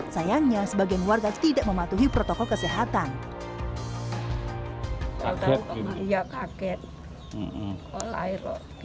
sayangnya sebagian warga tidak mematuhi protokol kesehatan kaget kaget